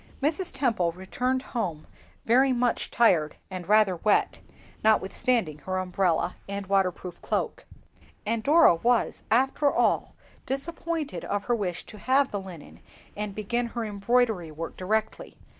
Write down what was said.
Mrs. Temple returned home very much tired and rather wet, notwithstanding her umbrella and waterproof cloak. And Dora was, after all, disappointed of her wish to have the linen and begin her embroidery work directly. Mrs.